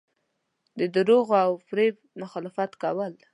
د درواغو او فریب مخالفت کول.